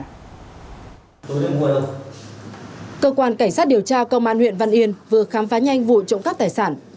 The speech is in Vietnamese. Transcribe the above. cơ quan cảnh sát điều tra công an huyện văn yên vừa khám phá nhanh vụ trộm cắp tài sản